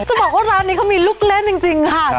จะบอกว่าร้านนี้เขามีลูกเล่นจริงค่ะ